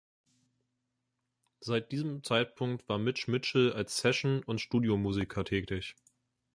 Seit diesem Zeitpunkt war Mitch Mitchell als Session- und Studiomusiker tätig.